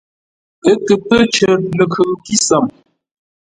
Ə́ kə pə́ cər ləkhʉŋ kísəm.